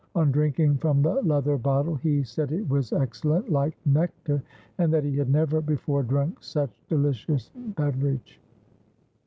On drinking from the leather bottle he said it was excellent, like nectar, and that he had never before drunk such delicious beverage.